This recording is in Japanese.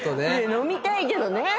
飲みたいけどね。